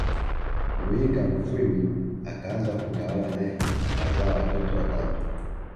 Muyinga Mfwimi akaanza kutawala nae akazaa watoto watatu